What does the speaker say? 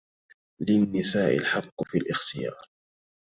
للنّساء الحقّ في الاختيار.